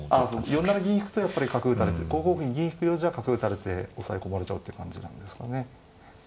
４七銀引くとやっぱり角打たれて５五歩に銀引くようじゃ角打たれて押さえ込まれちゃうって感じなんですかね。